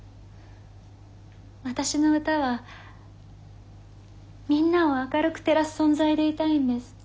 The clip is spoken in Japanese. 私の歌はみんなを明るく照らす存在でいたいんです。